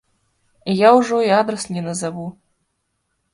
Я ўжо і адрас не назаву.